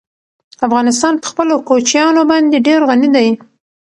افغانستان په خپلو کوچیانو باندې ډېر غني دی.